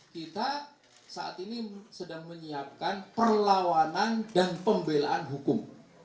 kita saat ini sedang menyiapkan perlawanan dan pembelaan hukum